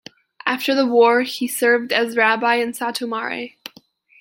After the war he served as rabbi in Satu Mare.